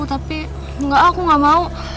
tapi enggak aku gak mau